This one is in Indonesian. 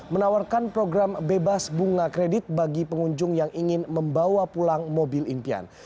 menawarkan program bebas bunga kredit bagi pengunjung yang ingin membawa pulang mobil impian